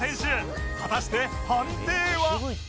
果たして判定は？